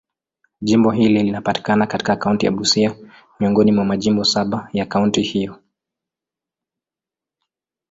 Jimbo hili linapatikana katika kaunti ya Busia, miongoni mwa majimbo saba ya kaunti hiyo.